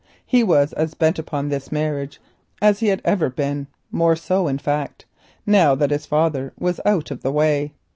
He was as bent upon this marriage as he had ever been, more so in fact, now that his father was out of the way.